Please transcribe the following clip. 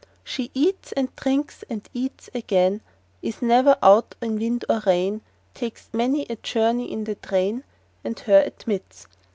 She eats, and drinks, and eats again, Is never out in wind or rain,— Takes many a journey in the train, And her admits.